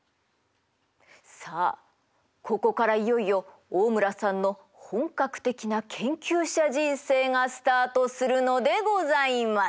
さあここからいよいよ大村さんの本格的な研究者人生がスタートするのでございます。